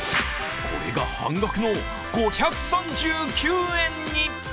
これが半額の５３９円に。